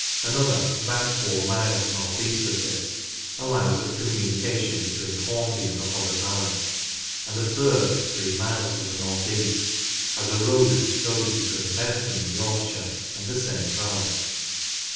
Another, about four miles north east of this, allows of communication between Hornby and the Hodder valley ; and a third, three miles to the north east, has a road which goes between Bentham (in Yorkshire) and the same valley.